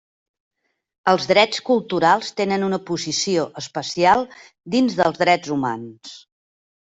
Els drets culturals tenen una posició especial dins dels drets humans.